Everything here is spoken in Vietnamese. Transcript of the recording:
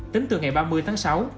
tính từ ngày ba mươi tháng sáu